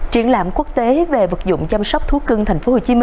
triển lãm quốc tế về vật dụng chăm sóc thú cưng tp hcm